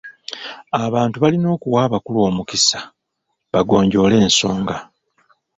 Abantu balina okuwa abakulu omukisa bagonjoole ensonga.